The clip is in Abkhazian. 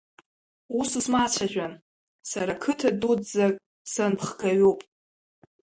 Ус усмацәажәан, сара қыҭа дуӡӡак санпхгаҩуп…